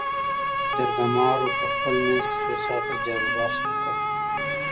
جرګمارو په خپل منځ کې څو ساعاته جړ بحث وکړ.